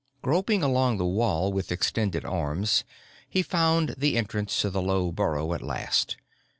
Groping along the wall with extended arms, he found the entrance to the low burrow at last.